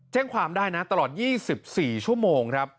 แจ้งความได้นะตลอด๒๔ชั่วโมงครับ